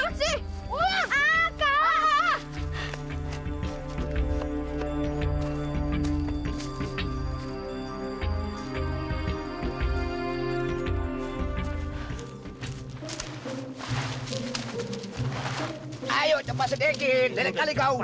ayo cepat sedikit lain kali kau